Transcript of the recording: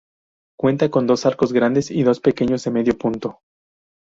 Cuenta con dos arcos grandes y dos pequeños de medio punto.